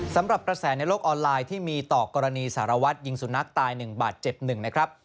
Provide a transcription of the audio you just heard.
สำหรับกระแสในโลกออนไลน์ที่มีต่อกรณีสารวัตรยิงสุนัขตาย๑บาทเจ็บ๑นะครับ